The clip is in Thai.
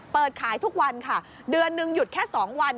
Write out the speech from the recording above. เปิดขายทุกวันค่ะเดือนหนึ่งหยุดแค่๒วัน